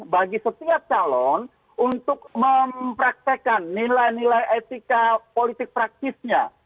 bagi setiap calon untuk mempraktekan nilai nilai etika politik praktisnya